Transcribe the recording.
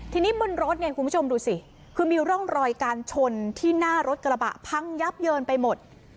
ทีนี้บนรถเนี่ยคุณผู้ชมดูสิคือมีร่องรอยการชนที่หน้ารถกระบะพังยับเยินไปหมด